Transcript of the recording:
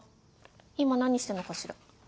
今何してるのかしら？